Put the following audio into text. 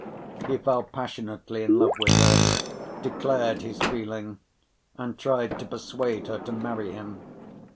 He fell passionately in love with her, declared his feeling and tried to persuade her to marry him.